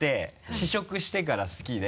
試食してから好きで。